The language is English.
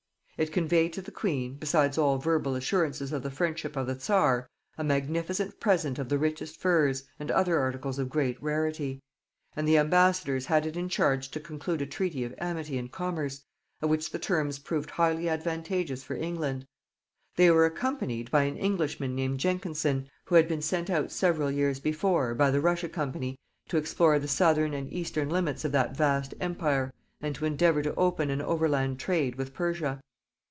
It conveyed to the queen, besides all verbal assurances of the friendship of the czar, a magnificent present of the richest furs, and other articles of great rarity; and the ambassadors had it in charge to conclude a treaty of amity and commerce, of which the terms proved highly advantageous for England. They were accompanied by an Englishman named Jenkinson, who had been sent out several years before, by the Russia company, to explore the southern and eastern limits of that vast empire, and to endeavour to open an overland trade with Persia.